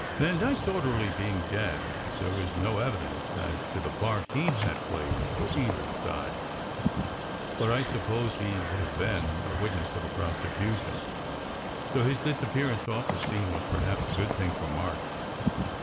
"Vandyke s orderly being dead, there was no evidence as to the part he had played for either side; but I suppose he would have been a witness for the prosecution, so his dis appearance off the scene was perhaps a good thing for March.